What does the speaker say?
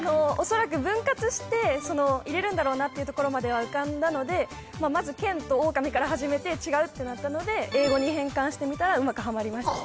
分割して入れるんだろうなっていうところまでは浮かんだのでまず「けん」と「おおかみ」から始めて違うってなったので英語に変換してみたらうまくハマりました